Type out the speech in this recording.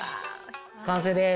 完成です。